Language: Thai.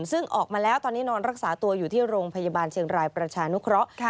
ซึ่งออกมาแล้วตอนนี้นอนรักษาตัวอยู่ที่โรงพยาบาลเชียงรายประชานุเคราะห์